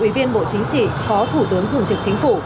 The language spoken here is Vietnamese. ủy viên bộ chính trị phó thủ tướng thường trực chính phủ